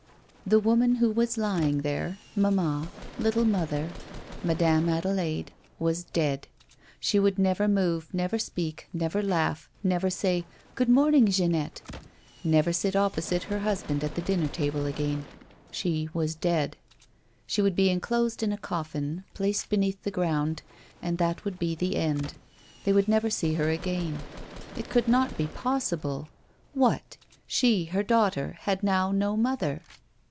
Thewoman who waslyiiig there — mamma — little mother — 156 A WOMAN'S LIFE. Madame Adelaide, was dead ! She would never move, never speak, never laugh, never say, " Good morning, Jeannette ;" never sit opposite her husband at the dinner table again. She was dead ! She would be enclosed in a coffin, placed beneath the ground, and that would be the end ; they would never see her again. It could not be possible ! What ! She, her daughter, had now no mother